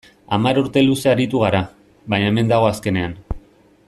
Hamar urte luze aritu g ara, baina hemen dago azkenean.